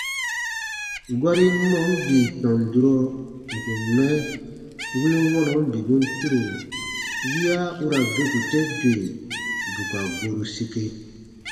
Gɔrin mɔɔn bii tɔn durɔ n kùn mɛ win wɔnɔn bibun turo wiya u ra beku te dwe bù ka goru sike.